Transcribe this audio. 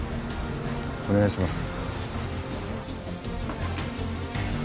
お願いします。